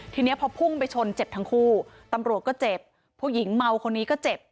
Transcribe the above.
ทีนี้พอพุ่งไปชนเจ็บทั้งคู่ตำรวจก็เจ็บผู้หญิงเมาคนนี้ก็เจ็บ